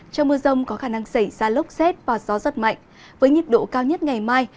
trong mưa rông có khả năng xảy ra lốc xét và gió rất mạnh với nhiệt độ cao nhất ngày mai